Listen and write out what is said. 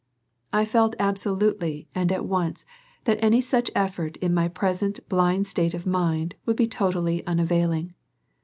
I felt absolutely and at once that any such effort in my present blind state of mind would be totally unavailing.